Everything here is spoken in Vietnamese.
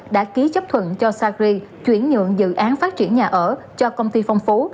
đã ký chấp thuận cho sacri chuyển nhượng dự án phát triển nhà ở cho công ty phong phú